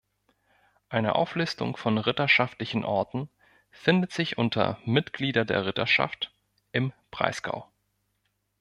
Eine Auflistung von ritterschaftlichen Orten findet sich unter Mitglieder der Ritterschaft im Breisgau.